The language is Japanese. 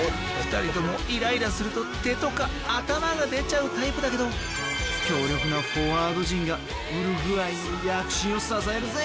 ２人ともイライラすると手とか頭が出ちゃうタイプだけど強力なフォワード陣がウルグアイの躍進を支えるぜ。